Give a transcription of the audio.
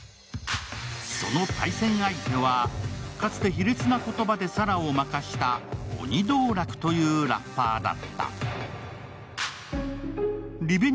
その対戦相手は、かつて卑劣な言葉で沙羅を負かした鬼道楽というラッパーだった。